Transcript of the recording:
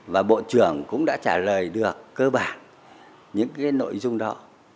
và bộ trưởng cũng đã trả lời được cơ bản những cái nội dung đó